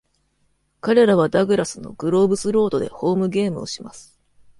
彼らはダグラスのグローブス・ロードでホームゲームをします。